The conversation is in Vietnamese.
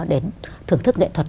đến thưởng thức nghệ thuật